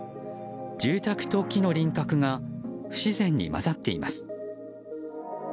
住宅と木の輪郭が不自然に混ざっています。